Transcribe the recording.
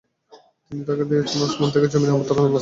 তিনি তাকে দেখেছেন আসমান থেকে যমীনে অবতরণরত অবস্থায়।